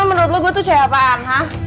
menurut lo gue tuh cewek apaan